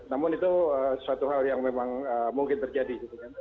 namun itu suatu hal yang memang mungkin terjadi